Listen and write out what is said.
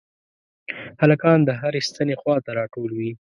هلکان د هرې ستنې خواته راټول وي.